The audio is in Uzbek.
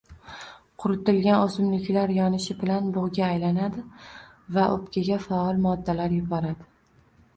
Quritilgan o'simliklar yonishi bilan bug'ga aylanadi va o'pkaga faol moddalar yuboradi